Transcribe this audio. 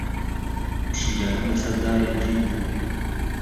پشیلەکەم لەسەر دارێک گیر بوو.